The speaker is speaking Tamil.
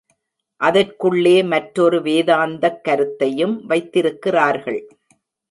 அதற்குள்ளே மற்றொரு வேதாந்தக் கருத்தையும் வைத்திருக்கிறார்கள்.